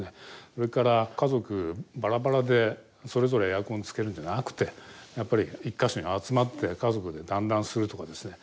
それから家族ばらばらでそれぞれエアコンつけるんじゃなくてやっぱり１か所に集まって家族で団らんするとかですね。